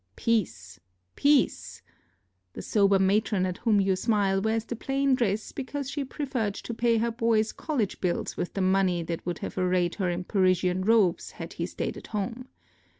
Peace, peace! The sober matron at whom you smile wears the plain dress because she preferred to pay her boy's college bills with the money that would have arrayed her in Parisian robes had he stayed at home.